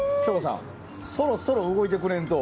省吾さん、そろそろ動いてくれんと。